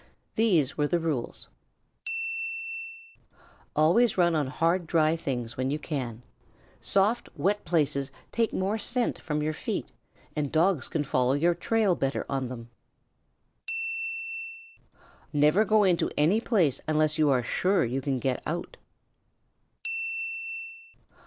These were the rules: "Always run on hard, dry things when you can. Soft, wet places take more scent from your feet, and Dogs can follow your trail better on them. "Never go into any place unless you are sure you can get out.